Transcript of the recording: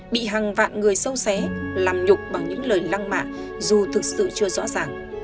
bị hàng vạn người sâu xé làm nhục bằng những lời lăng mạ dù thực sự chưa rõ ràng